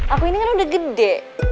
aku ini kan udah gede